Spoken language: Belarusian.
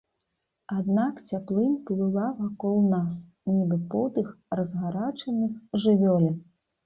Аднак цяплынь плыла вакол нас, нібы подых разгарачаных жывёлін.